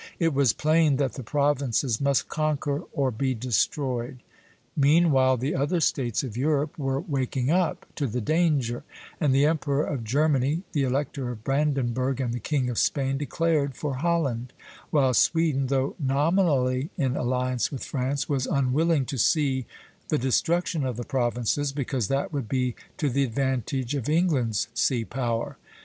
It was plain that the Provinces must conquer or be destroyed. Meanwhile the other States of Europe were waking up to the danger, and the Emperor of Germany, the Elector of Brandenburg, and the King of Spain declared for Holland; while Sweden, though nominally in alliance with France, was unwilling to see the destruction of the Provinces, because that would be to the advantage of England's sea power.